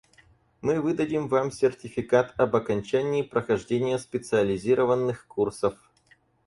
Мы выдадим вам сертификат об окончании прохождения специализированных курсов.